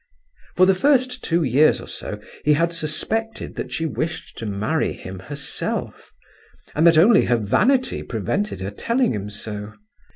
For the first two years or so he had suspected that she wished to marry him herself, and that only her vanity prevented her telling him so.